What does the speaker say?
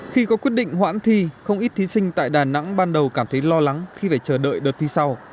khi có quyết định hoãn thi không ít thí sinh tại đà nẵng ban đầu cảm thấy lo lắng khi phải chờ đợi đợt thi sau